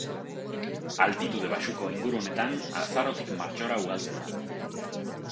Altitude baxuko ingurunetan azarotik martxora ugaltzen da.